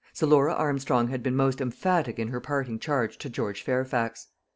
So Laura Armstrong had been most emphatic in her parting charge to George Fairfax.